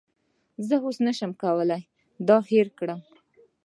زه اوس هم نشم کولی دا هیر کړم